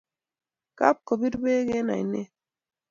Kap kopir peek eng' ainet